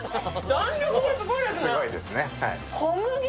弾力がすごいですね。